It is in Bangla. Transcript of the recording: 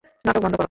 নাটক বন্ধ কর।